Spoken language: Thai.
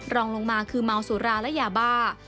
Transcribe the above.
รองลงมาคือเมาสุราและยาบ้า